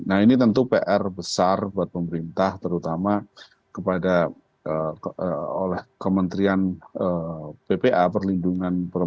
nah ini tentu pr besar buat pemerintah terutama oleh kementerian ppa